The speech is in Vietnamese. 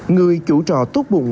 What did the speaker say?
người chủ trọ tốt bụng